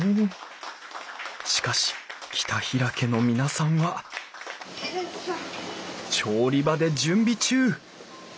しかし北平家の皆さんは調理場で準備中。